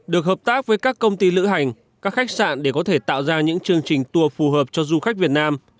được hợp tác với các công ty lữ hành các khách sạn để có thể tạo ra những chương trình tour phù hợp cho du khách việt nam